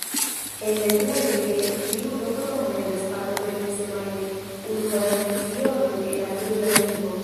En lernejoj de Friulo kromo eblas partopreni semajne unuhoran lecionon en la friula lingvo.